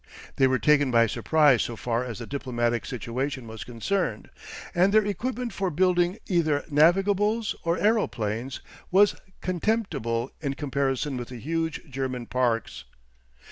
They were taken by surprise so far as the diplomatic situation was concerned, and their equipment for building either navigables or aeroplanes was contemptible in comparison with the huge German parks.